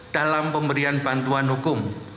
dalam pemberian bantuan hukum